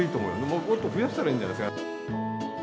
もっと増やしたらいいんじゃないですか。